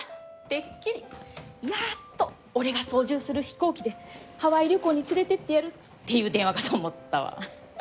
てっきりやっと「俺が操縦する飛行機でハワイ旅行に連れていってやる」っていう電話かと思ったわ。